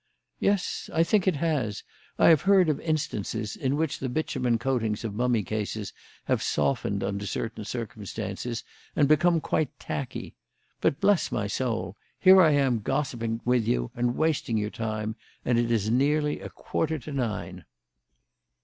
"Yes, I think it has. I have heard of instances in which the bitumen coatings of mummy cases have softened under certain circumstances and become quite 'tacky.' But, bless my soul! here am I gossiping with you and wasting your time, and it is nearly a quarter to nine!"